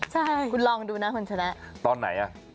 ใช่คุณลองดูนะคุณชนะตอนไหนอ่ะ